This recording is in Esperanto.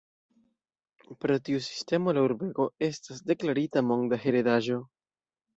Pro tiu sistemo la urbego estas deklarita Monda Heredaĵo.